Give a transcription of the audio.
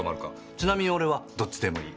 ちなみに俺はどっちでもいい。